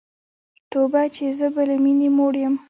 توبه چي زه به له میني موړ یم